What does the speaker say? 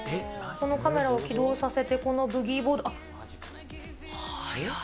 このカメラを起動させて、このブギーボード、あっ、早い。